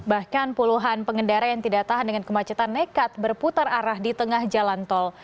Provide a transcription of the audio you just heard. bahkan puluhan pengendara yang tidak tahan dengan kemacetan nekat berputar arah di tengah jalan tol